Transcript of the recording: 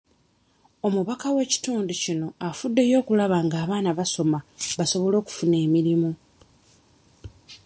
Omubaka w'ekitundu kino afuddeyo okulaba nga abaana basoma basobole okufuna emirimu.